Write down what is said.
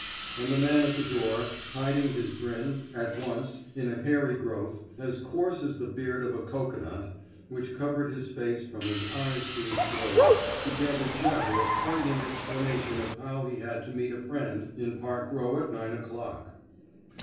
And the man at the door, hiding his grin, at once, in a hairy growth — as coarse as the beard of a cocoanut — which covered his face from his eyes to his throat, began to jabber a frightened explanation of how he had to meet a friend in Park Row at nine o'clock.